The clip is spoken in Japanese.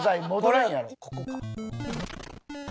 ここか？